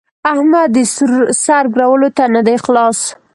احمد د سر ګرولو ته نه دی خلاص.